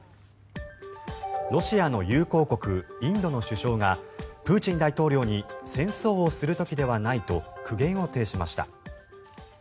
ロシアの友好国インドの首相がプーチン大統領に戦争をする時ではないと苦言を呈しました。